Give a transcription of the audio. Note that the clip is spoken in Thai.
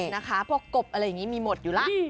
นะคะพวกกบอะไรอย่างนี้มีหมดอยู่แล้ว